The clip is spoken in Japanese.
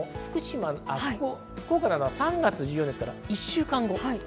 福岡などは３月１４日ですから、１週間後。